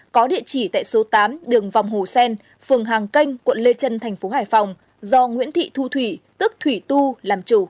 có địa chỉ tại số tám đường vòng hồ sen phường hàng canh quận lê trân tp hcm